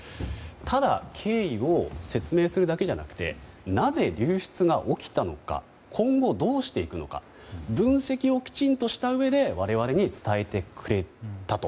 ただ経緯を説明するだけじゃなくてなぜ流出が起きたのか今後どうしていくのか分析をきちんとしたうえで我々に伝えてくれたと。